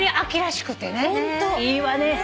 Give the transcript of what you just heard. いいわね。